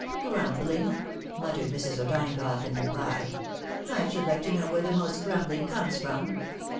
" Grumbling !" muttered Mrs. O'Donagough, in reply, " I should like to know where the most grumbUng comes from